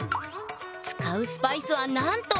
使うスパイスはなんと！